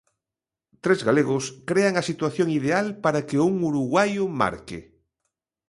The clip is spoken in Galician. Tres galegos crean a situación ideal para que un uruguaio marque.